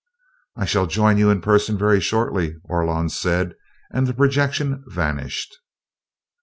"I shall join you in person very shortly," Orlon said, and the projection vanished.